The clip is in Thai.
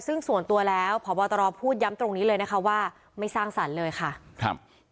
ซึ่งส่วนตัวแล้วพบตรพูดย้ำตรงนี้เลยนะคะว่าไม่สร้างสรรค์เลยค่ะครับ